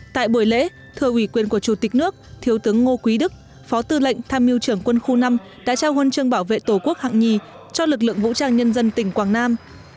tại buổi lễ thưa ủy quyền của chủ tịch nước thiếu tướng ngô quý đức phó tư lệnh tham mưu trưởng quân khu năm đã trao huân chương bảo vệ tổ quốc hạng nhì cho lực lượng vũ trang nhân dân tỉnh quảng nam